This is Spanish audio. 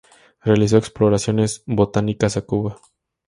Realizó exploraciones botánicas a Cuba.